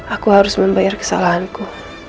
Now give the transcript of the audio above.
aku harus membayar kesalahanku